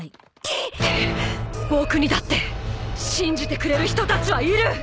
僕にだって信じてくれる人たちはいる！